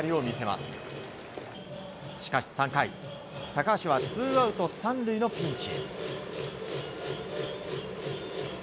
しかし３回、高橋はツーアウト３塁のピンチ。